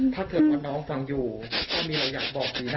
ถ้าเธอฟังน้องฟังอยู่ข้ามีอะไรอยากบอกสินะ